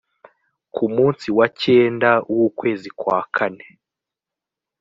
ku munsi wa cyenda w ukwezi kwa kane